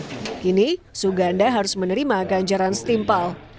kini suganda harus menerima ganjaran setimpal